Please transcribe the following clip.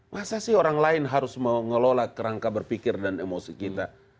masa sih orang lain harus mengelola kerangka berpikir dan emosi kita